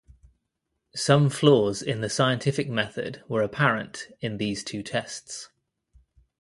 Some flaws in the scientific method were apparent in these two tests.